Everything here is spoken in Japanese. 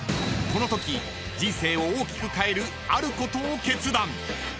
［このとき人生を大きく変えるあることを決断］